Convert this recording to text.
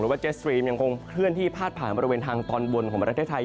ว่าเจสตรีมยังคงเคลื่อนที่พาดผ่านบริเวณทางตอนบนของประเทศไทย